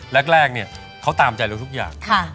แรกเนี่ยเขาตามใจเราทุกอย่าง